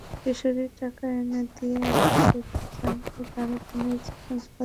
কিশোরী টাকা এনে দিতে অস্বীকৃতি জানালে তার ওপর নির্যাতন চলতে থাকে।